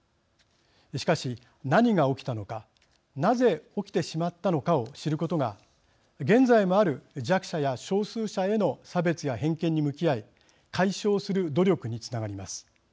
しかし、何が起きたのかなぜ起きてしまったのかを知ることが、現在もある弱者や少数者への差別や偏見に向き合い解消する努力につながります。